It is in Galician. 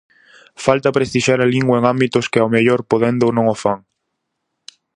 Falta prestixiar a lingua en ámbitos que ao mellor podendo non o fan?